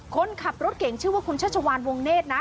คนขับรถเก่งชื่อว่าคุณชัชวานวงเนธนะ